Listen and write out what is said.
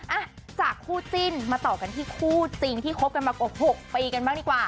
อ่ะจากคู่จิ้นมาต่อกันที่คู่จริงที่คบกันมากว่า๖ปีกันบ้างดีกว่า